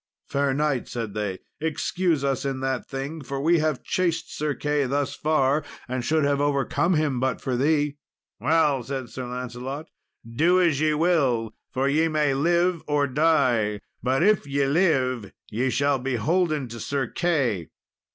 "Fair knight," said they, "excuse us in that thing, for we have chased Sir Key thus far, and should have overcome him but for thee." "Well," said Sir Lancelot, "do as ye will, for ye may live or die; but, if ye live, ye shall be holden to Sir Key."